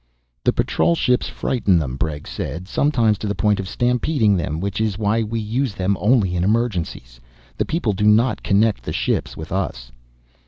"The patrol ships frighten them," Bregg said. "Sometimes to the point of stampeding them, which is why we use them only in emergencies. The people do not connect the ships with us."